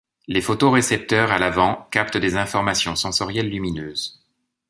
Les photorécepteurs à l'avant captent des informations sensorielles lumineuses.